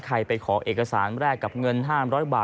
ไปขอเอกสารแรกกับเงิน๕๐๐บาท